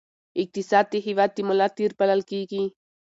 اقتصاد د هېواد د ملا تیر بلل کېږي.